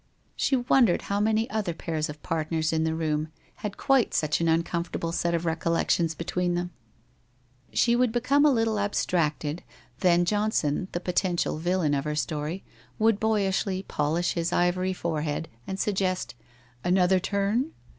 She wondered how many other pairs of partners in the room had quite such an uncomfortable set of recollections between them? She would become a little abstracted. Then Johnson, the potential villain of her story, would boyishly polish his ivory forehead, and suggest 'Another turn?'